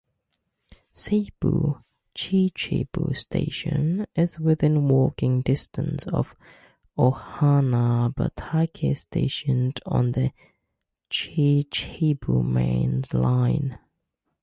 Seibu-Chichibu Station is within walking distance of Ohanabatake Station on the Chichibu Main Line.